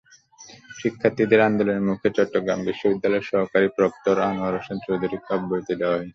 শিক্ষার্থীদের আন্দোলনের মুখে চট্টগ্রাম বিশ্ববিদ্যালয়ের সহকারী প্রক্টর আনোয়ার হোসেন চৌধুরীকে অব্যাহতি দেওয়া হয়েছে।